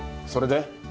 それで？